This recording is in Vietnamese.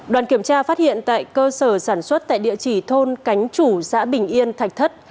đoàn kiểm tra phát hiện tại cơ sở sản xuất tại địa chỉ thôn cánh chủ xã bình yên thạch thất